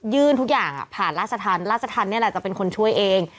ทุกอย่างผ่านราชธรรมราชธรรมนี่แหละจะเป็นคนช่วยเอง